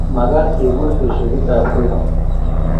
Mekat kekur keshokitab koi.